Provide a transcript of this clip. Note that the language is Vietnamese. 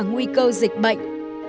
nguy cơ dịch bệnh